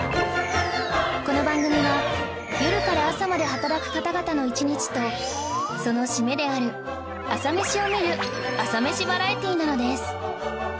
この番組は夜から朝まで働く方々の一日とその締めである朝メシを見る朝メシバラエティーなのです